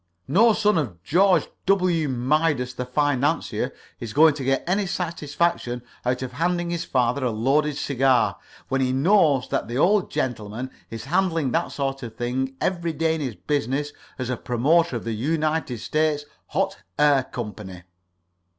No son of George W. Midas, the financier, is going to get any satisfaction out of handing his father a loaded cigar, when he knows that the old man is handling that sort of thing every day in his business as a promoter of the United States Hot Air Company.